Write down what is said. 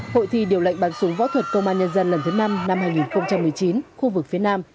hội thi điều lệnh bắn súng võ thuật công an nhân dân lần thứ năm năm hai nghìn một mươi chín khu vực phía nam